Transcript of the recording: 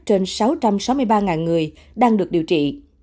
trên sáu trăm sáu mươi ba người đang được điều trị